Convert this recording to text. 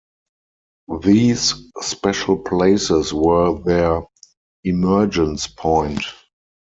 These special places were their emergence point.